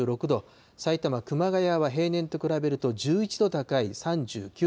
埼玉・熊谷は平年と比べると１１度高い３９度。